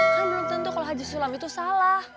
kan belum tentu kalau haji sulam itu salah